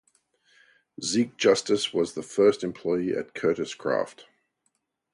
Zeke Justice was the first employee at Kurtis-Kraft.